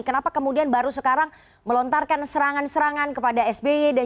kenapa kemudian baru sekarang melontongnya